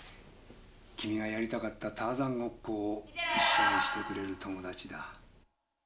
「君がやりたかったターザンごっこを一緒にしてくれる友達だ」